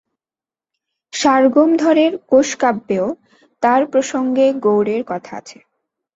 শার্ঙ্গধরের কোষকাব্যেও তাঁর প্রসঙ্গে গৌড়ের কথা আছে।